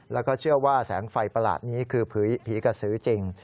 แล้วก็เชื่อว่าแสงไฟประหลาดนี้คือผีกระสือจริง